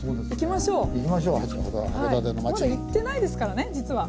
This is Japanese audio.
まだ行ってないですからね実は。